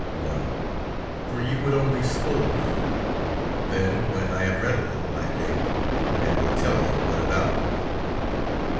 No, for you would only scold me. Then, when I have read a little, I think, and will tell you what about.